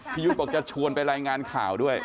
ยุทธ์บอกจะชวนไปรายงานข่าวด้วย